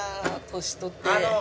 年取って。